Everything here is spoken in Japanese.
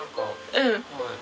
うん。